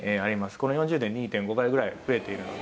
この４０年で２．５倍ぐらい増えているので。